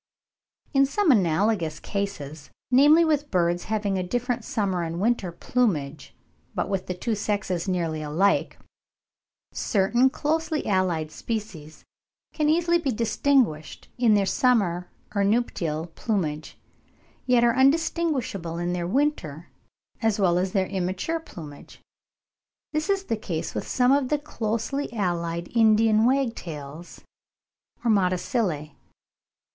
In some analogous cases, namely with birds having a different summer and winter plumage, but with the two sexes nearly alike, certain closely allied species can easily be distinguished in their summer or nuptial plumage, yet are indistinguishable in their winter as well as in their immature plumage. This is the case with some of the closely allied Indian wagtails or Motacillae.